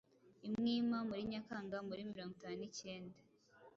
i Mwima muri Nyakanga muri mirongwitanu nicyenda